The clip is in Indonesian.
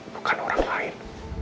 bukan orang lain